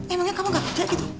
emangnya kamu gak kerja gitu